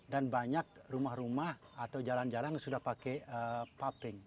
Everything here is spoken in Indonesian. dan banyak rumah rumah atau jalan jalan sudah pakai pumping